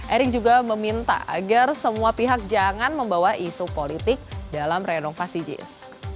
erick juga meminta agar semua pihak jangan membawa isu politik dalam renovasi jis